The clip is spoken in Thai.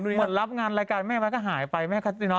หมดรับงานรายการแม่แม่ก็หายไปแม่คาติน๊อต